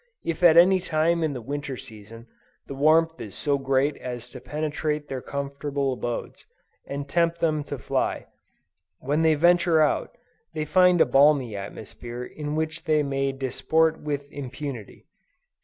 If at any time in the winter season, the warmth is so great as to penetrate their comfortable abodes, and to tempt them to fly, when they venture out, they find a balmy atmosphere in which they may disport with impunity.